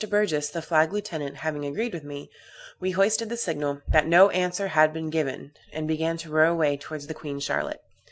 Burgess, the flag lieutenant, having agreed with me, we hoisted the signal, that no answer had been given, and began to row away towards the Queen Charlotte.